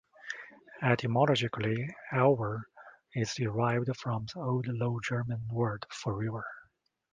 Etymologically, "elver" is derived from the old Low German word for "river.